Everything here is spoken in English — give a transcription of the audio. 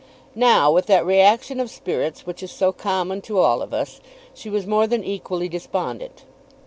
Now, with that reaction of spirits which is so common to all of us, she was more than equally despondent.